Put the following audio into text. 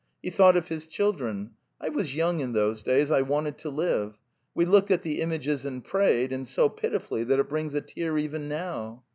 He thought of his children. I was young in those days; I wanted to live. ... We looked at the images and prayed, and so pitifully that it brings a tear even now.